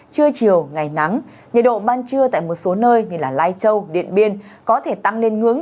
trưa chiều ngày nắng nhiệt độ ban trưa tại một số nơi như lai châu điện biên có thể tăng lên ngưỡng